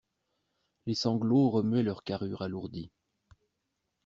Les sanglots remuaient leurs carrures alourdies.